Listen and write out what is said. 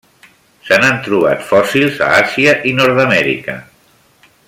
Se n'han trobat fòssils a Àsia i Nord-amèrica.